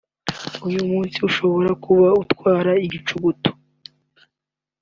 uyu munsi ushobora kuba utwara igicugutu